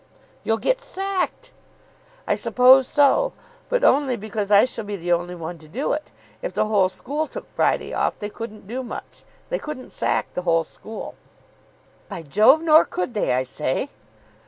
"You'll get sacked." "I suppose so. But only because I shall be the only one to do it. If the whole school took Friday off, they couldn't do much. They couldn't sack the whole school." "By Jove, nor could they! I say!"